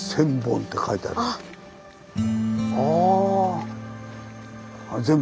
ああ。